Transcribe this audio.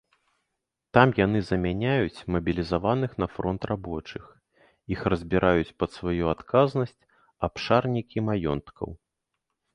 Там яны замяняюць мабілізаваных на фронт рабочых, іх разбіраюць пад сваю адказнасць абшарнікі маёнткаў.